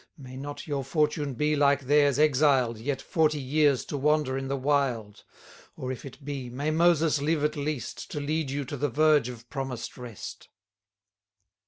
May not your fortune be, like theirs, exiled, Yet forty years to wander in the wild! Or if it be, may Moses live at least, 70 To lead you to the verge of promised rest!